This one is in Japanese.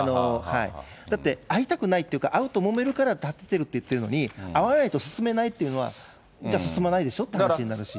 だって、会いたくないっていうか、会うともめるから立ててるって言ってるのに、会わないと進めないっていうのは、じゃあ進まないでしょっていう話になるし。